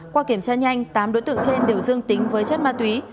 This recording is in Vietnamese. qua kiểm tra nhanh tám đối tượng trên đều dương tính với chất ma túy